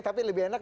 tapi lebih enak